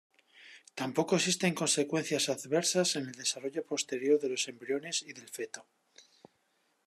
Tampoco existen consecuencias adversas en el desarrollo posterior de los embriones y del feto.